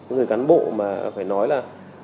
người cán bộ mà phải nói là